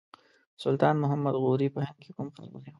سلطان محمد غوري په هند کې کوم ښار ونیو.